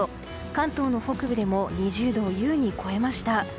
関東の北部でも２０度を優に超えました。